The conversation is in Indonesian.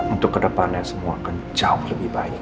untuk kedepannya semua akan jauh lebih baik